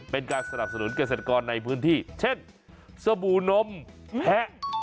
เป็นการสนับสนุนเกษตรกรในพื้นที่เช่นสบู่นมแพะ